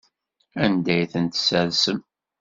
Anda ay tent-tessersem?